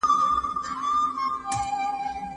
هغه اسناد چې پرون راغلي و، ما لا نه دي لوستي.